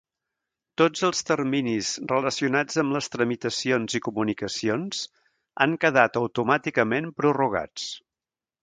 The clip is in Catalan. Tots els terminis relacionats amb les tramitacions i comunicacions han quedat automàticament prorrogats.